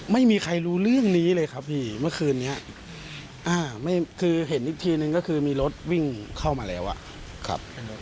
ไม่มีใครรู้เรื่องนี้เลยครับพี่เมื่อคืนนี้คือเห็นอีกทีนึงก็คือมีรถวิ่งเข้ามาแล้วอ่ะครับ